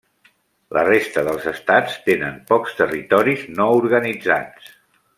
La resta dels estats tenen pocs territoris no organitzats.